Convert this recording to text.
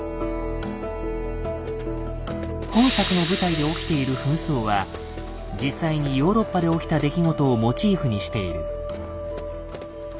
本作の舞台で起きている紛争は実際にヨーロッパで起きた出来事をモチーフにしている。